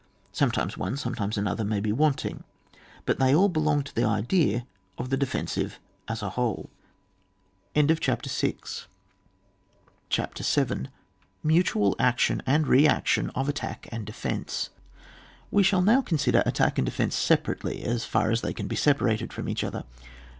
Sometimes one, sometimes another, may be wanting ; but they all belong to the idea of the defensive as a whole. 84 ON WAR. [book ti. CHAPTER VIL MUTUAL ACTION AOT) REACTION OF ATTACK AND DEFENCE. Wb shall now consider attack and defence separately, as far as they can be sepa rated from each other.